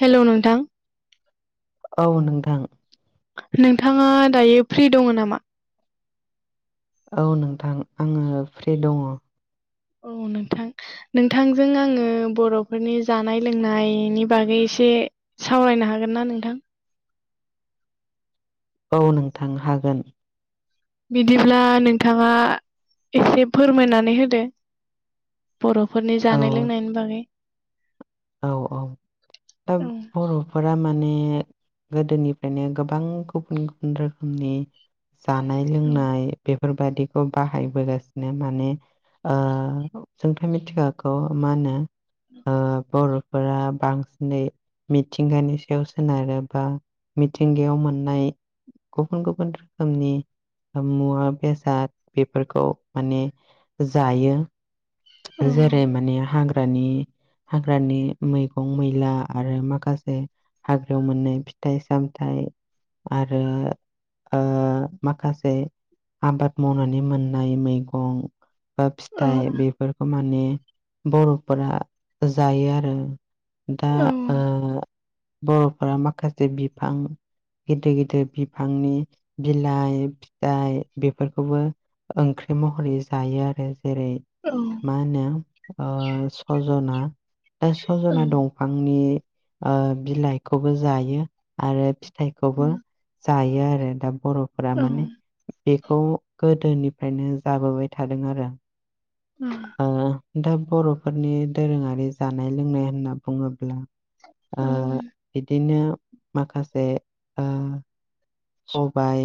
Hello नोंथां औ नोंथां नोंथाङा दायो फ्रि दङ नामा औ नोंथां आङो फ्रि दङ औ नोंथां नोंथांजों आङो बर'फोरनि जानाय लोंनायनि बागै एसे सावरायनो हागोन ना नोंथां? औ नोंथां हागोन बिदिब्ला नोंथाङा एसे फोरमायनानै होदो बर'फोरनि औ जानाय लोंनायनि बागै औ औ दा औ बर' फोरा माने गोदोनिफ्रायनो गोबां गुबुन गुबुन रोखोमनि जानाय औ लोंनाय बेफोरबादिखौ बाहायबोगासिनो माने ओ जोंथ' मिथिखागौ मा होनो [inaudible] बर'फोरा बांसिनै मिथिंगानि सायाव सोनारो बा मिथिंगायाव मोननाय गुबुन गुबुन रोखोमनि मुवा बेसाद बेफोरखौ माने जायो औ जेरै माने हाग्रानि हाग्रानि मैगं मैला आरो माखासे हाजोआव मोननाय फिथाइ सामथाइ आरो माखासे आबाद मावनानै मोननाय मैगं बा औ फिथाइ बेफोरखौ माने बर'फोरा जायो आरो दा औ बर'फोरा माखासे बिफां गिदिर गिदिर बिफांनि बिलाइ फिथाइ बेफोरखौबो ओंख्रि महरै जायो आरो जेरै औ मा होनो सजना दा सजना दं फांनि ओ बिलाइखौबो जायो आरो फिथाइखौबो जायो आरो दा बर'फोरा औ माने बेखौ गोदोनिफ्रायनो जाबोबाय थादों आरो ओ दा बर'फोरनि दोरोङारि जानाय लोंनाय होनना बुङोब्ला ओ [unintelligible] बिदिनो माखासे ओ सबाइ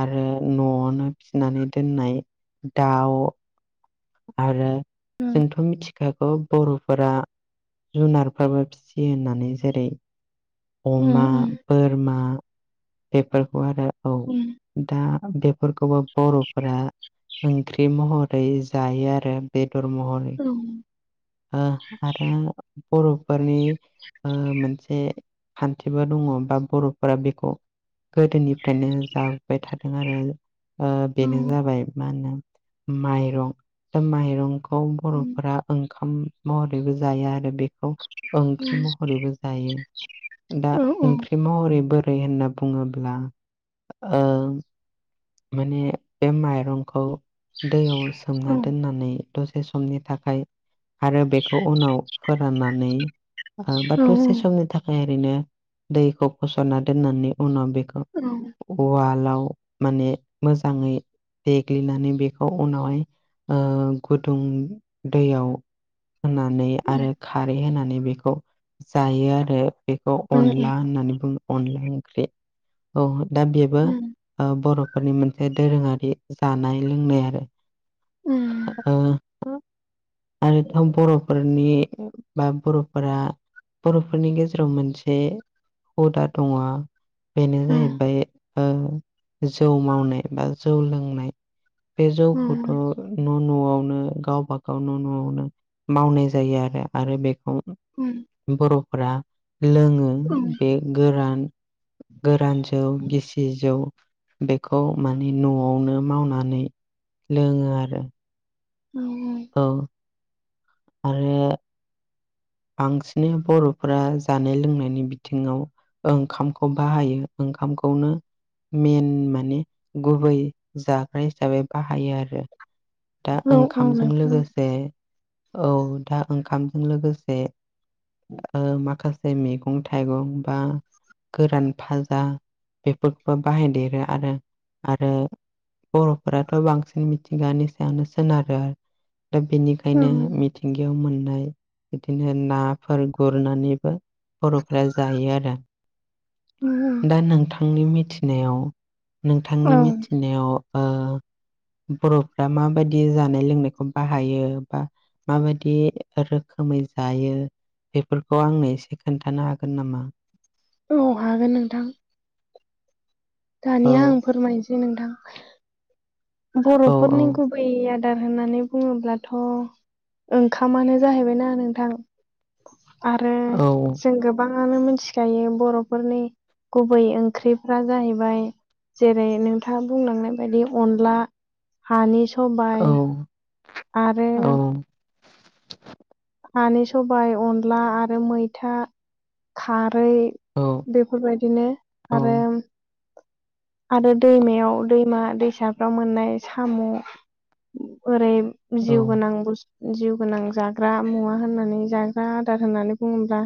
आरो न'आवनो फिसिनानै दोननाय दाउ आरो जोंथ' मिथि खाखौ बर'फोरा जुनारफोरबो फिसियो होननानै जेरै अमा औ बोरमा बेफोरखौ आरो औ दा बेफोरखौबो बर'फोरा ओंख्रि महरै जायो आरो बेदर महरै औ ओ आरो बर'फोरनि मोनसे खान्थिबो दङ बा बर'फोरा बेखौ गोदोनिफ्रायनो जाबोबाय थादों आरो बेनो जाबाय मा होनो माइरं दा माइरंखौ बर'फोरा ओं खाम महरैबो जायो आरो बे खौ ओंख्रि महरैबो जायो दा ओंख्रि महरै बोरै होनना बुङोब्ला ओ माने बे माइरंखौ दैयाव सोमना दोननानै दसे समनि थाखाय आरो बेखौ उनाव फोराननानै बा दसे समनि थाखाय ओरैनो दैखौ फसरना दोननायनै उनाव बेखौ औ उवालाव माने मोजाङै देग्लिनानै बेखौ उनावहाय ओ गुदुं दैयाव होनानै आरो खारै होनानै बेखौ जायो आरो बेखौ औ औ अनला होननानै बुङो अनला ओंख्रि औ दा बेबो उम ओ बर'फोरनि मोनसे दोरोङारि जानाय लोंनाय आरो उम ओ आरोथ' बर'फोरनि बा बर'फोरा बर'फोरनि गेजेराव मोनसे हुदा दङ बेनो औ जाहैबाय ओ जौ मावनाय बा जौ लोंनाय। बे जौखौथ' न' न'वावनो गावबा गाव न' न'वावनो मावनाय जायो आरो आरो बेखौ उम बर'फोरा लोङो उम बे गोरान गोरान जौ गिसि जौ बेखौ माने न'वावनो मावनानै लोङो आरो। औ ओं औ आरो बांसिनै बर'फोरा जानाय लोंनायनि बिथिङाव ओंखामखौ बाहायो ओंखामखौनो मेन माने गुबै जाग्रा हिसाबै बाहायो आरो। दा औ ओंखामजों नोंथां लोगोसे औ दा ओंखामजों लोगोसे ओ माखासे मैगं थाइगं बा गोरान भाजा बेफोरखौबो बाहायदेरो आरो आरो बर'फोराथ' बांसिन मिथिंगानि सायावनो सोनारो आरो दा बेनि ओं खायनो मिथिंगायाव मोननाय बिदिनो नाफोर गुरनानैबो बर'फ्रा जायो आरो। [unintelligible] दा नोंथांनि मिथिनायाव औ नोंथांनि मिथिनायाव ओ [inaudible] बर'फ्रा माबायदि जानाय लोंनायखौ बाहायो बा माबायदि रो खोमै जायो बेफोरखौ आंनो एसे खोन्थानो हागोन नामा? औ हागोन नोंथां। औ दानिया आं फोरमायनोसै नोंथां। औ बर'फोरनि गुबै आदार होननानै बुङोब्लाथ' ओंखामानो जाहैबाय ना नोंथां आरो औ जों गो बाङानो मिथिखायो बर'फोरनि गुबै ओंख्रिफ्रा जाहैबाय जेरै नोंथाङा बुंलांनाय बायदि अनला हानि सबाइ औ आरो हानि सबाइ अनला आरो मैथा खारै बेफोरबायदिनो आरो आरो दैमायाव दैमा दैसाफ्राव मोननाय साम' ओरै जिउ गोनां बुस जिउ गोनां जा ग्रा मुवा होननानै जाग्रा आदार होननानै बुङोब्ला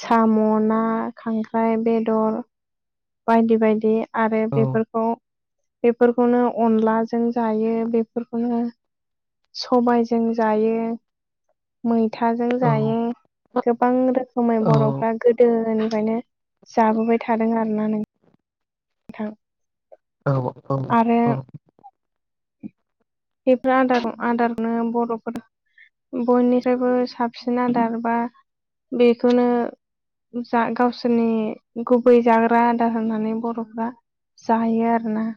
साम', ना, खांख्राइ, बेदर बायदि बायदि आरो औ बेफोरखौ बेफोरखौनो अनलाजों जायो बेफोरखौनो सबाइजों जायो मैथाजों औ जायो। गोबां रोखोमै औ बर'फ्रा गोदोनिफ्रायनो जाबोबाय थादों आरोना नों थां औ-औ-औ बेफोर आदार आदारनो बर'फोरा बयनिसायबो साबसिन आदार बा बेखोनो जा गावसोरनि गुबै जाग्रा आदार होननानै बर'फ्रा जाहोयो आरोना।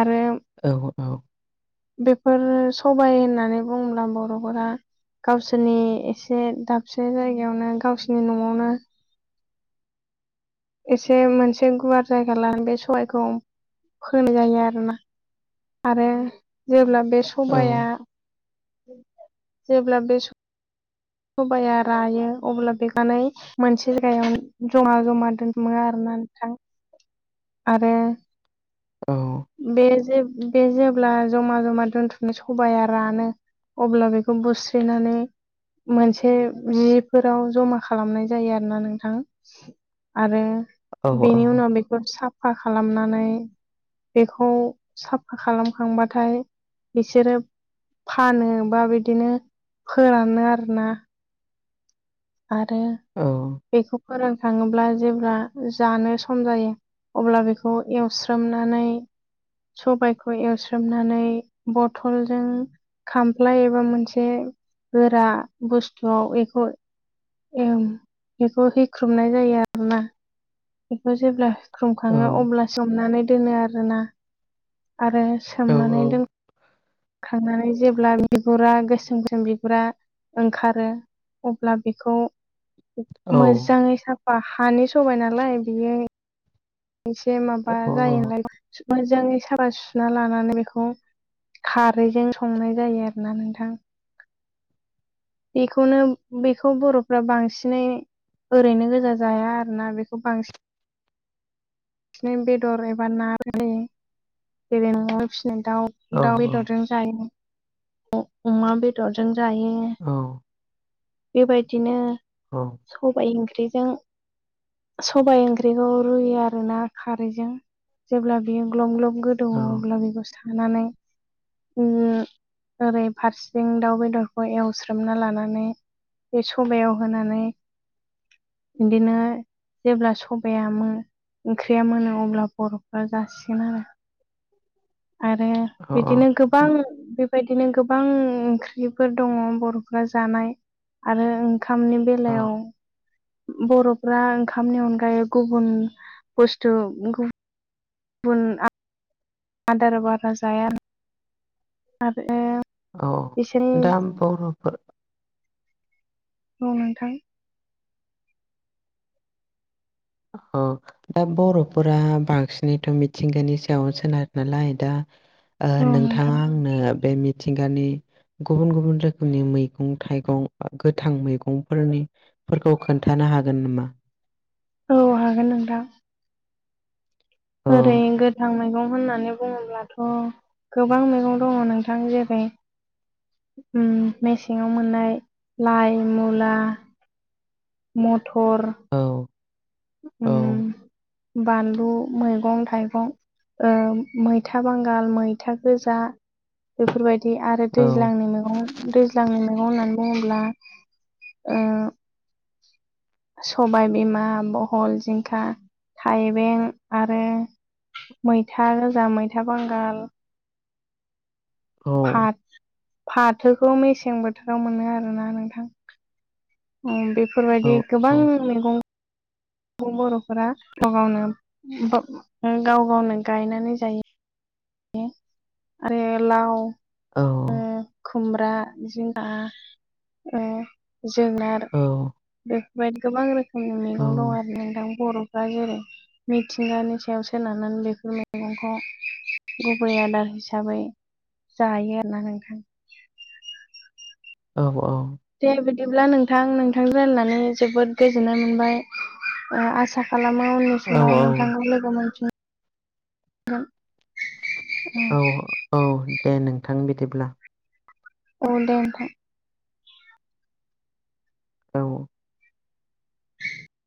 आरो औ-औ बेफोर सबाय होननानै बुङोब्ला बर'फोरा गावसोरनि एसे दाबसे जायगायावनो गावसोरनि न'आवनो एसे मोनसे गुवार जायगा लानो बे सबाइखौ फोनाय जायो आरोना आरो जेब्ला बे सबाया जेब्ला बे सबाया रायो अब्ला बेखानै मोनसे जायगायाव जमा जमा दोनथुमो आरोना नोंथां आरो बे जे बे जेब्ला जमा जमा दोनथुमनाय सबाया रानो अब्ला बेखौ बुस्रिनानै मोनसे जिफोराव जमा खालामनाय जायो आरोना नोंथां आरो बेनि उनाव बेखौ साफा खालामनानै बेखौ साफा खालामखांबाथाय बिसोरो फानो बा बिदिनो फोरानो आरोना आरो बेखौ फोरानखाङोब्ला जेब्ला जानो सम जायो अब्ला बेखौ एवस्रोमनानै सबायखौ एवस्रोमनानै बथलजों खामफ्लाय एबा मोनसे गोरा बुस्थुआव एखौ ओम बेखौ हेवख्रुबनाय जायो आरोना बेखौ जेब्ला सिख्रुम खाङो अब्ला सोमनानै दोनो आरोना आरो सोमनानै दोन खांनानै जेब्ला बिगुरा गोसोम गोसोम बिगुरा ओंखारो अब्ला बेखौ मोजाङै साफा हानि सबाय नालाय बियो एसे माबा जायो नालाय मोजाङै साफा सुना लानानै बेखौ खारैजों संनाय जायो आरोना नोंथां बेखौनो बेखौ बर'फ्रा बांसिनै ओरैनो गोजा जाया आरो ना बेखौ बांसिन [unintelligible] बेदर एबा नानि जेरैनो फिसिनाय दाउ दाउ बेदरजों जायो अमा बेदरजों जायो औ बेबायदिनो औ सबाय ओंख्रिजों सबाय ओंख्रिखौ रुयो आरो ना खारैजों जेब्ला बियो ग्लब ग्लब गोदौओ अब्ला बेखौ सानानै ओरै फारसेथिं दाउ बेदरखौ एवस्रोमना लानानै बे सबायाव होनानै बिदिनो जेब्ला सबाया ओंख्रिया मोनो अब्ला बर'फ्रा जासिगोन आरो आरो बिदिनो गोबां बे बेबायदिनो गोबां ओंख्रिफोर दङ' बर'फोरा जानाय आरो ओंखामनि बेलायाव बर'फ्रा ओंखामनि अनगायै गुबुन बुस्थु गुबुन [unintelligible] आदार बारा जाया आरो औ बिसोरनि दा बर'फोर औ नोंथां औ दा बर'फोरा बांसिनैथ' मिथिंगानि सायाव सोनारो नालाय दा ओ औ नोंथां नोंथाङा आंनो बेनि मिथिंगानि गुबुन गुबुन रोखोमनि मैगं थाइगं गोथां मैगंफोरनि फोरखौ खोन्थानो हागोन नामा? औ हागोन नोंथां औ ओरै गोथां मैगं होननानै बुङोब्लाथ' गोबां मैगं दङ' नोंथां जेरै उम मेसेङाव मोननाय लाइ मुला मटर औ औ उम बानलु मैगं थाइगं ओ मैथा बांगाल मैथा गोजा बेफोरबायदि आरो औ दैज्लांनि मैगं दैज्लांनि मैगं होननानै बुङोब्ला ओ सबाय बिमा बहल जिंखा थाइबें आरो मैथा गोजा मैथा बांगाल औ फाथ फाथोखौ मेसें बोथोराव मोनो आरोना नोंथां उम औ बेफोरबायदि गोबां औ मैगं बर'फोरा गाव गावनो बा [unintelligible] गाव गावनो गायनानै जायो [unintelligible] आरो लाव औ ओ खुमब्रा जिंखा ओ जोगोनार औ बेफोरबायदि गोबां रोखोमनि मैगं दं आरो नोंथां बर' फोरा जेरै मिथिंगानि सायाव सोनारनानै बेफोर मैगंखौ- गुबै आदार हिसाबै जायो आरोना नोंथां औ औ दे बिदिब्ला नोंथां नोंथां राननानै जोबोद गोजोननाय मोनबाय आसा खालामो उननि औ समाव नोंथांखौ लोगो मोनफिन औ औ दे नोंथां बिदिब्ला औ दे नोंथां औ